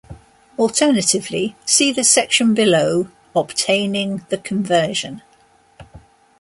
Alternatively, see the section below: "Obtaining the conversion".